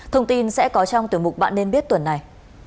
thông tin sẽ có trong tiểu mục bạn nên biết tuần này